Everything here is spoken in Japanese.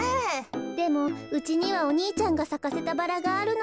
でもうちにはお兄ちゃんがさかせたバラがあるのよね。